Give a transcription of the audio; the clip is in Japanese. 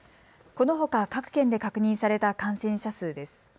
このほか各県で確認された感染者数です。